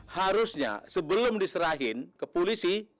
harusnya sebelum diserahin ke polisi